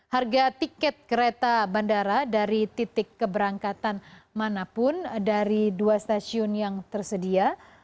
harga tiket kereta bandara dari titik keberangkatan manapun dari dua stasiun yang tersedia